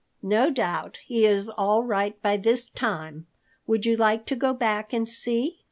No doubt he is all right by this time. Would you like to go back and see?"